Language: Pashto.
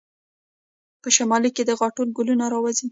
په شمال کې د غاټول ګلونه راوځي.